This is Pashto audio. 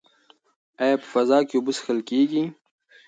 ایا په فضا کې اوبه څښل کیږي؟